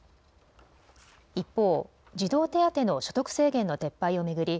一方、児童手当の所得制限の撤廃を巡り